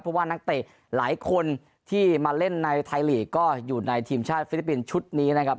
เพราะว่านักเตะหลายคนที่มาเล่นในไทยลีกก็อยู่ในทีมชาติฟิลิปปินส์ชุดนี้นะครับ